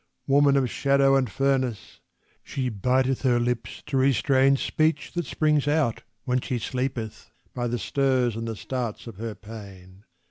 Woman of shadow and furnace! She biteth her lips to restrain Speech that springs out when she sleepeth, by the stirs and the starts of her pain.